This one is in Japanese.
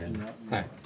はい。